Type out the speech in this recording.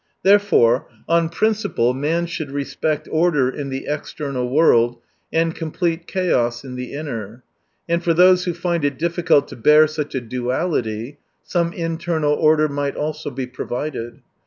Therefore, on principle man should respect order in the external world and complete chaos in the inner. And for those who find it diffi cult to bear such a duality, some internal order might also be provided.